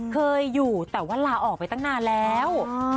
เคยอยู่แต่ว่าลาออกไปตั้งนานแล้ว